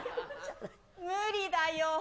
無理だよ。